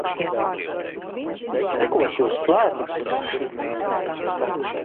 Cikos Jūs slēdzat?